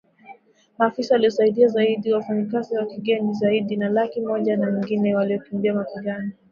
maafisa waliosaidia zaidi wafanyikazi wa kigeni zaidi ya laki moja na nyingine waliokimbia mapigano